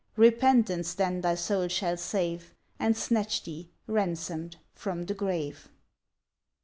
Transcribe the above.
Repentance then thy soul shall save, And snatch thee, ransom'd, from the grave.